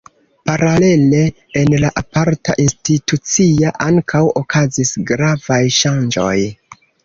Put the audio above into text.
Paralele, en la aparta institucia ankaŭ okazis gravaj ŝanĝoj.